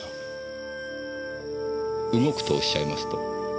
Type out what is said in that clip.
動くとおっしゃいますと？